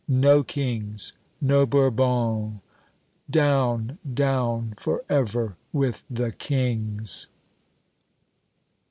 No kings! No Bourbons! Down down forever with the kings!"